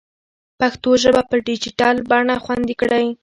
پښتو ژبه په ډیجیټل بڼه خوندي کړئ.